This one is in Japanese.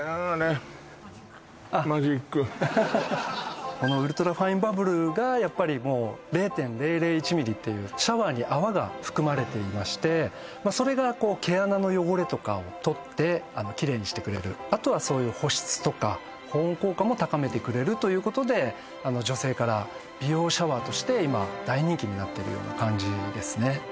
あれウルトラファインバブルがやっぱりもう０．００１ｍｍというシャワーに泡が含まれていましてそれが毛穴の汚れとかを取ってキレイにしてくれるあとはそういう保湿とか保温効果も高めてくれるということでになってるような感じですね